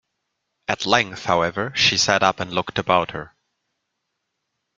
At length, however, she sat up and looked about her.